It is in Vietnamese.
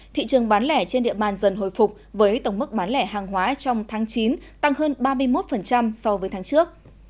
thị trường bán lẻ trên địa bàn dần hồi phục với tổng mức bán lẻ hàng hóa trong tháng chín tăng hơn ba mươi một so với tháng trước